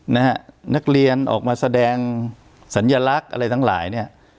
นะฮะนักเรียนออกมาแสดงสัญลักษณ์อะไรทั้งหลายเนี่ย